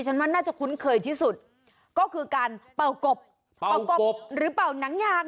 ว่าน่าจะคุ้นเคยที่สุดก็คือการเป่ากบเป่ากบหรือเป่าหนังยาง